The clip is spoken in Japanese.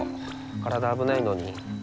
体危ないのに。